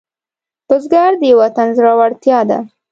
بزګر د وطن زړورتیا ده